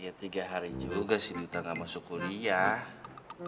ya tiga hari juga sih duta gak masuk kuliah